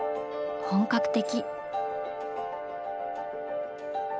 本格的。